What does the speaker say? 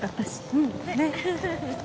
うんねっ。